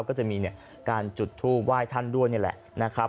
ก็จะมีการจุดทูปไหว้ท่านด้วยนี่แหละนะครับ